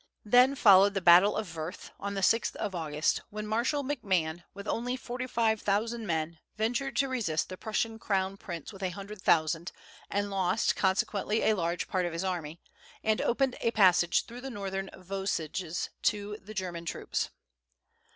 Then followed the battle of Worth, on the 6th of August, when Marshal McMahon, with only forty five thousand men, ventured to resist the Prussian crown prince with a hundred thousand, and lost consequently a large part of his army, and opened a passage through the northern Vosges to the German troops.